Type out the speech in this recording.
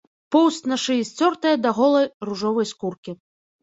Поўсць на шыі сцёртая да голай ружовай скуркі.